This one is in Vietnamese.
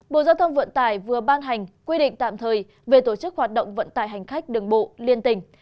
bộ giao thông vận tải vừa ban hành quy định tạm thời về tổ chức hoạt động vận tải hành khách đường bộ liên tỉnh